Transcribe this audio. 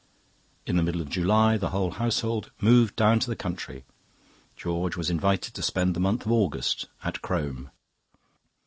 In the middle of July the whole household moved down to the country. George was invited to spend the month of August at Crome.